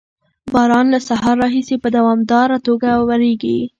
باران له سهار راهیسې په دوامداره توګه ورېږي.